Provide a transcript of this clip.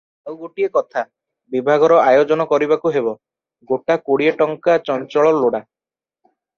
ଆଉ ଗୋଟିଏ କଥା- ବିଭାଘର ଆୟୋଜନ କରିବାକୁ ହେବ, ଗୋଟା କୋଡିଏ ଟଙ୍କା ଚଞ୍ଚଳ ଲୋଡା ।